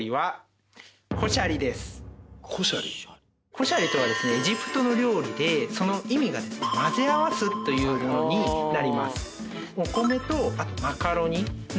コシャリとはエジプトの料理でその意味が混ぜ合わすというものになります。